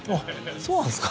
そうなんですか？